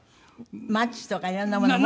マッチとか色んなもの。